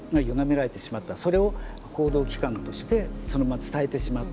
それを報道機関としてそのまま伝えてしまった。